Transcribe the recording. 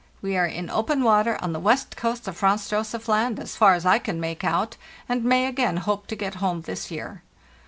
We are in open water on the west coast of Franz Josef Land, as far as I can make out, and may again hope to get home this year.